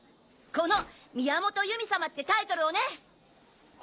この宮本由美様ってタイトルをね！